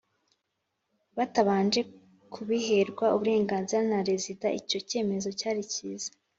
batabanje kubiherwa uburenganzira na rezida Icyo kemezo cyari kiza